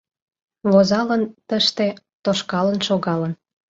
Возалын — тыште: тошкалын, шогалын.